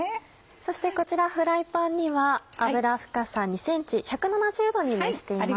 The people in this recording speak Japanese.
そしてこちらフライパンには油深さ２ｃｍ１７０℃に熱しています。